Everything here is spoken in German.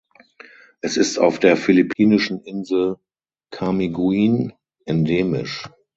Es ist auf der philippinischen Insel Camiguin endemisch.